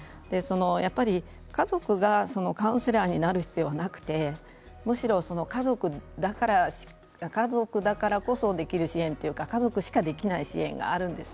やっぱり家族はカウンセラーになる必要はなくてむしろ家族だからこそできる支援というか家族しかできない支援があるんです。